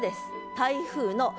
「台風の」。